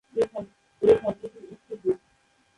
এই শব্দটির উৎস গ্রিক।